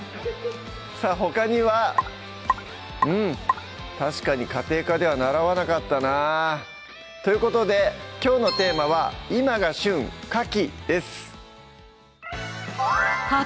さぁほかにはうん確かに家庭科では習わなかったなということできょうのテーマは「今が旬！牡蠣」です